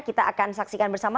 kita akan saksikan bersama